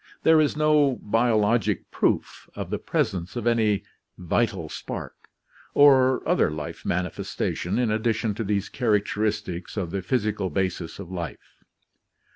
There is no biologic proof of the presence of any "vital spark" or other life manifestation in addition to these char acteristics of the physical basis of life.